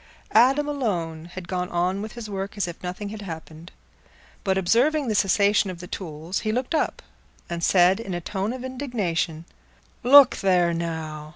Adam alone had gone on with his work as if nothing had happened. But observing the cessation of the tools, he looked up, and said, in a tone of indignation, "Look there, now!